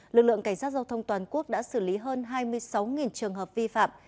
lực lượng cảnh sát giao thông toàn quốc đã xử lý hơn hai mươi sáu trường hợp vi phạm